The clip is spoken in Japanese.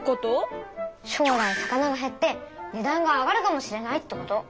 将来魚が減って値段が上がるかもしれないってこと。